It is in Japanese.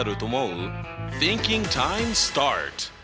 シンキングタイムスタート！